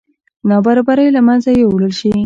نابرابرۍ له منځه یوړل شي.